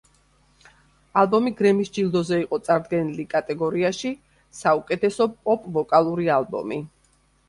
ალბომი გრემის ჯილდოზე იყო წარდგენილი კატეგორიაში საუკეთესო პოპ ვოკალური ალბომი.